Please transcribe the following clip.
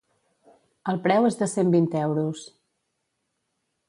El preu és de cent vint euros.